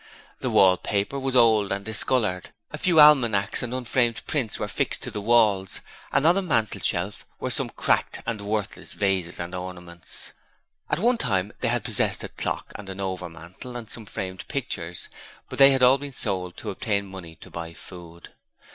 The wallpaper was old and discoloured; a few almanacs and unframed prints were fixed to the walls, and on the mantelshelf were some cracked and worthless vases and ornaments. At one time they had possessed a clock and an overmantel and some framed pictures, but they had all been sold to obtain money to buy food.